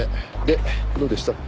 でどうでした？